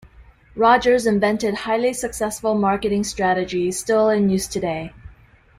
Rogers invented highly successful marketing strategies still in use today.